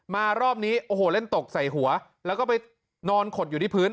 รอบนี้โอ้โหเล่นตกใส่หัวแล้วก็ไปนอนขดอยู่ที่พื้น